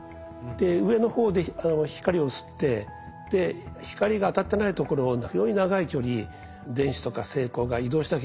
上の方で光を吸って光が当たってないところを非常に長い距離電子とか正孔が移動しなきゃいけないんですね。